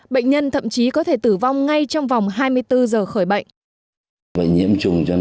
bệnh nhân thậm chí có thể tử vong ngay trong vòng hai mươi bốn giờ khởi bệnh